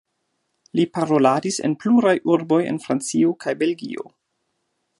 Li paroladis en pluraj urboj en Francio kaj Belgio.